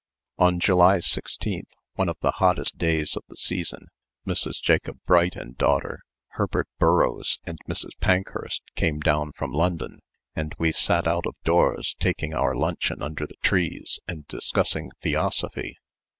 On July 16, one of the hottest days of the season, Mrs. Jacob Bright and daughter, Herbert Burroughs, and Mrs. Parkhurst came down from London, and we sat out of doors, taking our luncheon under the trees and discussing theosophy.